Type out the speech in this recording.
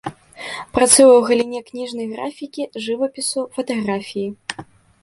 Працуе ў галіне кніжнай графікі, жывапісу, фатаграфіі.